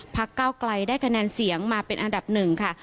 เก้าไกลได้คะแนนเสียงมาเป็นอันดับหนึ่งค่ะ